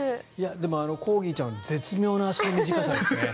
あのコーギーちゃんは絶妙な足の短さですね。